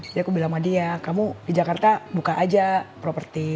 jadi aku bilang sama dia kamu di jakarta buka aja properti